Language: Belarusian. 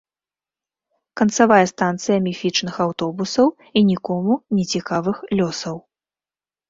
Канцавая станцыя міфічных аўтобусаў і нікому не цікавых лёсаў.